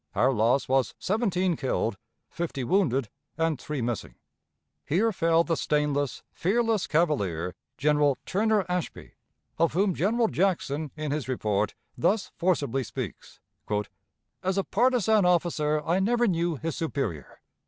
Our loss was seventeen killed, fifty wounded, and three missing. Here fell the stainless, fearless cavalier, General Turner Ashby, of whom General Jackson in his report thus forcibly speaks: "As a partisan officer I never knew his superior.